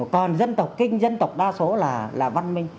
còn dân tộc kinh dân tộc đa số là văn minh